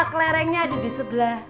kelerengnya ada disebelah